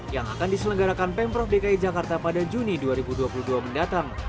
yang akan diselenggarakan pemprov dki jakarta pada juni dua ribu dua puluh dua mendatang